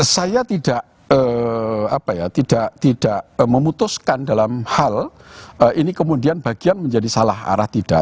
saya tidak memutuskan dalam hal ini kemudian bagian menjadi salah arah tidak